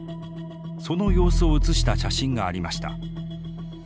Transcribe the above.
その様子を写した写真がありました。